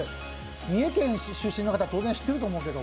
三重県出身の方は、当然知ってると思いますけど。